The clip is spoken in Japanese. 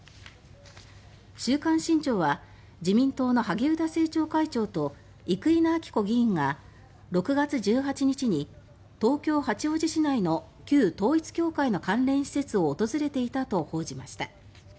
週刊新潮は自民党の萩生田政調会長と生稲晃子議員が６月１８日に東京・八王子市内の旧統一教会の関連施設を訪れていたと報じました。